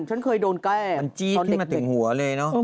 ฉันเคยโดนแก้งตอนเด็กมันจี๊บขึ้นมาติ่งหัวเลยเนอะ